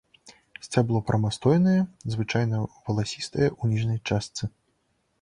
Сцябло прамастойнае, звычайна валасістае ў ніжняй частцы.